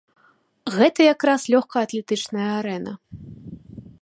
Гэта якраз лёгкаатлетычная арэна.